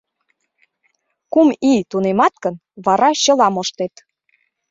Кум ий тунемат гын, вара чыла моштет.